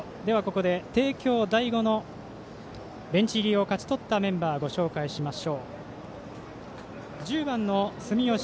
ここで帝京第五のベンチ入りを勝ち取ったメンバーご紹介します。